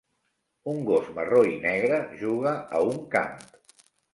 un gos marró i negre juga a un camp